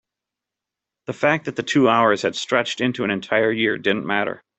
the fact that the two hours had stretched into an entire year didn't matter.